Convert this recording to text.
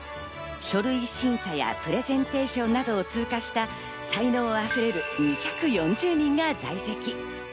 書類審査やプレゼンテーションなどを通過した才能溢れる２４０人が在籍。